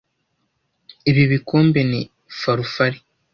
Ibi bikombe ni farufari?